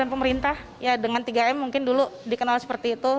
pemerintah ya dengan tiga m mungkin dulu dikenal seperti itu